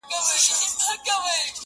وږی پاته سو زخمي په زړه نتلی!.